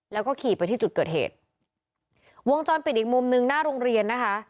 แล้วก็ขี่ไปที่จุดเกิดเหตุวงจรปิดอีกมุมหนึ่งหน้าโรงเรียนนะคะ